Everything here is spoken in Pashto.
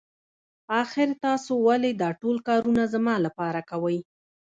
آخر تاسو ولې دا ټول کارونه زما لپاره کوئ.